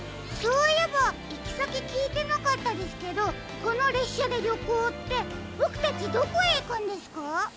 そういえばいきさききいてなかったですけどこのれっしゃでりょこうってボクたちどこへいくんですか？